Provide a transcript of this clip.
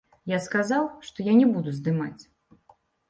Я сказаў, што я не буду здымаць.